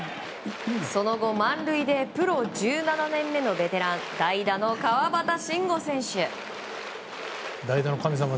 その後、満塁でプロ１７年目のベテラン代打の川端慎吾選手。